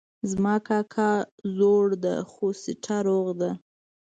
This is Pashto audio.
زما کاکا زوړ ده خو سټه روغ ده